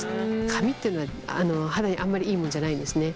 紙っていうのは肌にあんまりいいもんじゃないんですね。